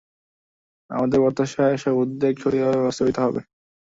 আমাদের প্রত্যাশা, এসব উদ্যোগ সঠিকভাবে বাস্তবায়িত হবে।